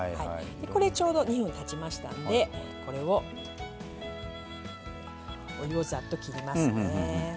これちょうど２分たちましたのでこれをお湯をザッと切りますね。